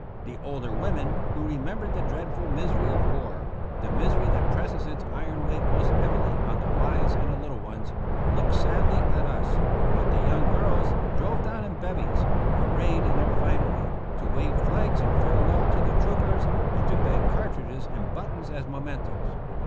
The older women, who remembered the dreadful misery oi war — the misery that presses its iron weight most heavily on the wives and the little ones — looked sadly at us; but the young girls drove down in bevies, arrayed in their finery, to wave flags in farewell to the troopers and to beg cartridges and buttons as mementos.